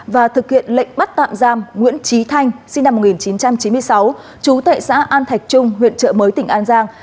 và thực hiện lệnh bắt tạm giam nguyễn trí thanh sinh năm một nghìn chín trăm chín mươi sáu chú tại xã an thạch trung huyện trợ mới tỉnh an giang